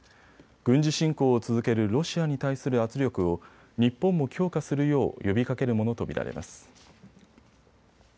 軍事侵攻を続けるロシアに対する圧力を日本も強化するよう呼びかけるものと見られます。